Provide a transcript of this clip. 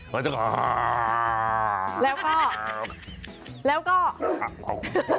มันจะแล้วก็แล้วก็